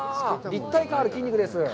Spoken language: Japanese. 立体感ある筋肉です。